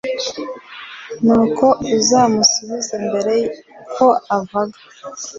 Nuko uzamusubize mbere ko avaga